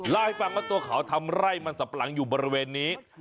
เล่าให้ฟังว่าตัวเขาทำไร่มันสับปะหลังอยู่บริเวณนี้